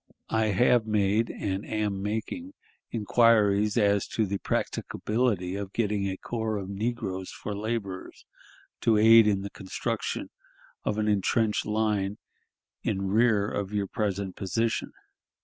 I have made and am making inquiries as to the practicability of getting a corps of negroes for laborers to aid in the construction of an intrenched line in rear of your present position.